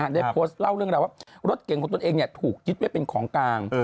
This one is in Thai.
ได้โพสต์เล่าเรื่องราวว่ารถเก่งของตนเองถูกยึดไว้เป็นของกลาง